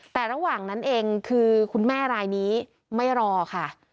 แต่ระหว่างนั้นเองคือคุณแม่รายนี้ไม่รอค่ะ